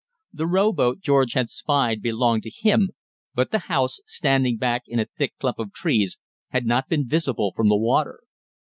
The rowboat George had spied belonged to him, but the house, standing back in a thick clump of trees, had not been visible from the water.